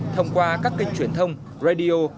thông qua các kênh truyền thông radio